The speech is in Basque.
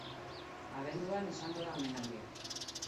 Abenduan izango da omenaldia.